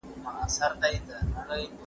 آیا مختلف قومونه د خپلې کلتور نښانې ساتي؟